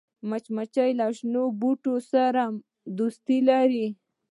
مچمچۍ له شنو بوټو سره دوستي لري